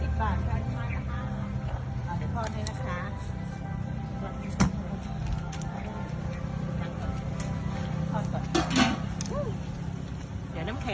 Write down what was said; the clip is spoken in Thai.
เอาอริกอลให้นะคะ